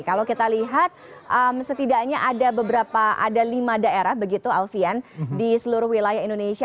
kalau kita lihat setidaknya ada lima daerah begitu alfian di seluruh wilayah indonesia